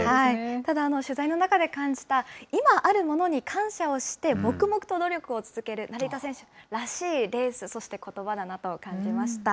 ただ、取材の中で感じた今あるものに感謝をして、もくもくと努力を続ける、成田選手らしいレース、そしてことばだなと感じました。